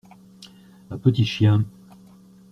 Un petit chien.